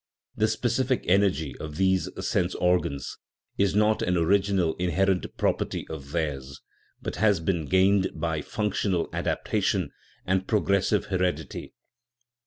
The " specific energy " of these sense organs is not an original inherent property of theirs, but has been gain ed by functional adaptation and progressive heredity.